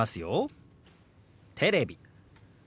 「テレビ」。